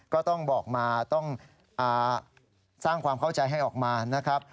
ก็ต้องบอกมาต้องสร้างความเข้าใจให้ออกมานะครับ